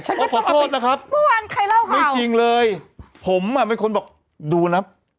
ฉันก็ต้องเอาไปไม่จริงเลยผมอ่ะเป็นคนบอกดูนะ